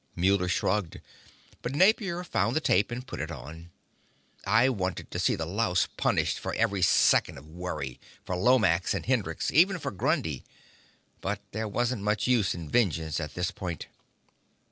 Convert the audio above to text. Muller shrugged, but Napier found the tape and put it on. I wanted to see the louse punished for every second of worry, for Lomax, for Hendrix even for Grundy. But there wasn't much use in vengeance at this point.